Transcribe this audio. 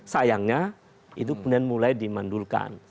sayangnya itu kemudian mulai dimandulkan